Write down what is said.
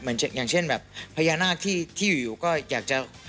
เหมือนเช่นอย่างเช่นแบบพญานาคที่ที่อยู่อยู่ก็อยากจะ